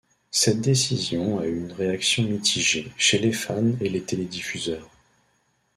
Cette décision a eu une réaction mitigée chez les fans et les télé-diffuseurs.